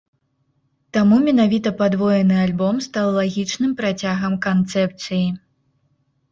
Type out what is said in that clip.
Таму менавіта падвоены альбом стаў лагічным працягам канцэпцыі.